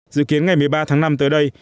dự kiến ngày một mươi ba tháng năm tới đây